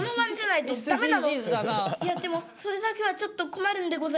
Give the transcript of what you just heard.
「いやでもそれだけはちょっと困るんでございます」。